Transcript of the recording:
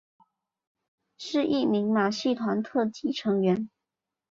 是一名马戏团特技人员。